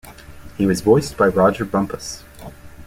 He was voiced by Rodger Bumpass.